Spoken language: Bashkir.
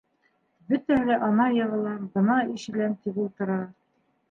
Бөтәһе лә ана йығылам, бына ишеләм тип ултыра.